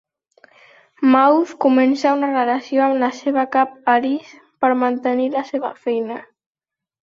Mouth comença una relació amb la seva cap Alice per mantenir la seva feina.